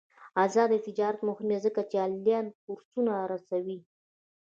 آزاد تجارت مهم دی ځکه چې آنلاین کورسونه رسوي.